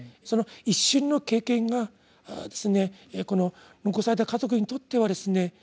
その一瞬の経験がこの残された家族にとってはですね